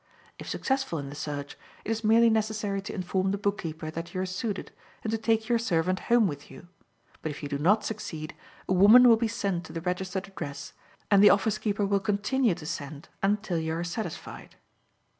If successful in the search, it is merely necessary to inform the book keeper that you are suited, and to take your servant home with you; but if you do not succeed, a woman will be sent to the registered address, and the office keeper will continue to send until you are satisfied.